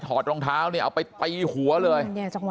ถอดรองเท้าเอาไปตัยหัวเลย